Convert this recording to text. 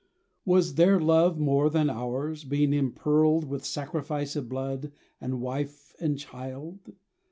Was their love more than ours, being impearled With sacrifice of blood and wife and child?